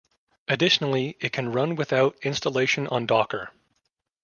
Additionally it can run without installation on Docker.